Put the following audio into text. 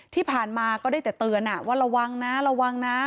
ที่ผ่านมาก็ได้แต่เตือนว่าระวังนะระวังนะ